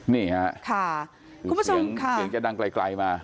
นี่ฮะค่ะคุณผู้ชมค่าเพียงยังจะดังไกลไกลมา